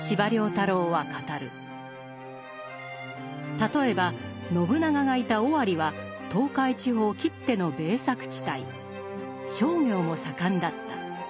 例えば信長がいた尾張は東海地方きっての米作地帯商業も盛んだった。